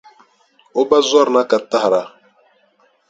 O ba zɔrina ka tahira.